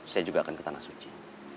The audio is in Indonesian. saya juga akan ke tanah suci